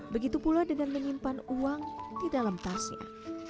begitu pula dengan menyimpan uang di dalam tasnya